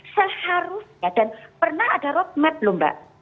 seharusnya dan pernah ada road map belum mbak